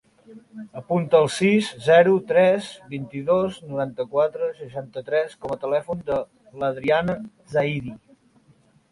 Apunta el sis, zero, tres, vint-i-dos, noranta-quatre, seixanta-tres com a telèfon de l'Adriana Zaidi.